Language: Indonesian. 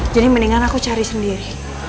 jadi mendingan aku cari sendiri